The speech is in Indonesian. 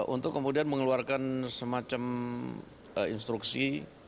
untuk kemudian mengeluarkan semacam instruksi